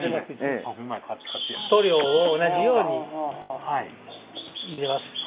塗料を同じように入れます。